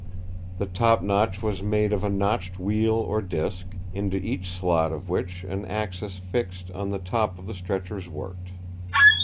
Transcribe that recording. The top notch was made of a notched wheel or disc, into each slot of which an axis fixed on the top of the stretchers worked.